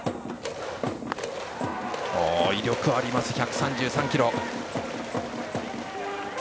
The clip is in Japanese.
威力があります、１３３キロ。